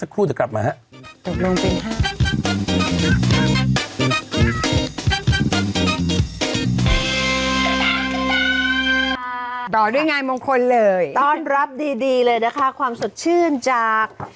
ต่อด้วยงานมงคลเลยต้อนรับดีเลยนะคะความสดชื่นจาก